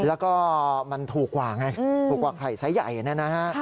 แล้วก็มันถูกกว่าไงถูกกว่าไข่ไซส์ใหญ่นะฮะ